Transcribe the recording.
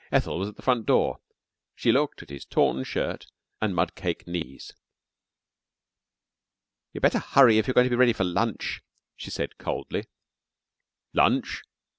Ethel was at the front door. She looked at his torn shirt and mud caked knees. "You'd better hurry if you're going to be ready for lunch," she said coldly. "Lunch?"